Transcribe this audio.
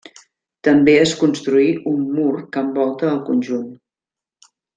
També es construí un mur que envolta el conjunt.